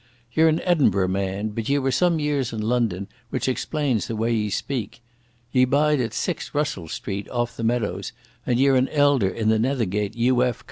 Ye're an Edinburgh man, but ye were some years in London, which explains the way ye speak. Ye bide at 6, Russell Street, off the Meadows, and ye're an elder in the Nethergate U.F.